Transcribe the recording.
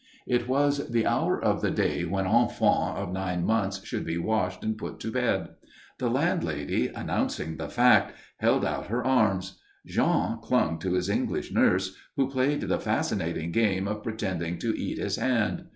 It was the hour of the day when infants of nine months should be washed and put to bed. The landlady, announcing the fact, held out her arms. Jean clung to his English nurse, who played the fascinating game of pretending to eat his hand.